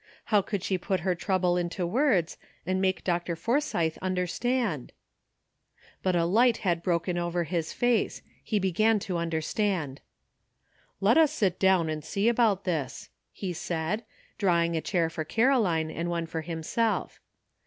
How could she put her 234 BORROWED TROUBLE. trouble into words and make Dr. Forsythe understand ? But a light had broken over his face ; he began to understand. *' Let us sit down and see about this," he said, drawing a chair for Caroline and one for him self.